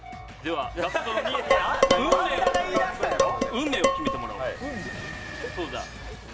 運命を決めてもらおう。